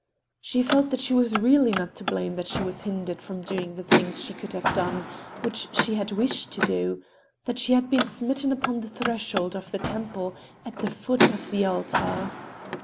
She felt that she was really not to blame that she was hindered from doing the things she could have done, which she had wished to do—that she had been smitten upon the threshold of the temple, at the foot of the altar.